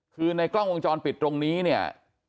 คือในกล้องวงจรปิดตรงนี้เนี่ย